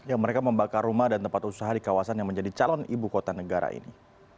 ya mereka membakar rumah dan tempat usaha di kawasan yang menjadi calon ibu kota negara ini